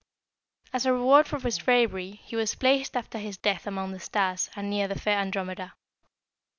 "As a reward for his bravery, he was placed after his death among the stars, and near the fair Andromeda.